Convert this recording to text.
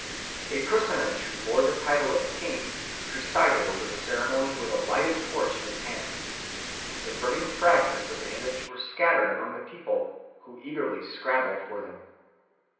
_ A personage who bore the title of king presided over the ceremony with a lighted torch in his hand. The burning fragments of the image were scattered among the people, who eagerly scrambled for them.